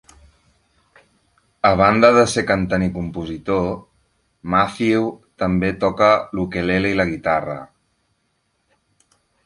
A banda de ser cantant i compositor, Matthew també toca l'ukelele i la guitarra.